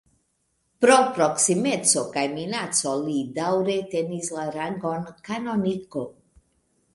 Pro proksimeco kaj minaco li daŭre tenis la rangon kanoniko.